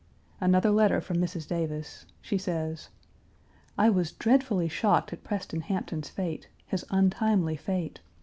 Another letter from Mrs. Davis. She says: "I was dreadfully shocked at Preston Hampton's fate his untimely fate.